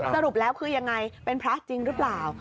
สรุปแล้วคือยังไงเป็นพระจริงหรือเปล่า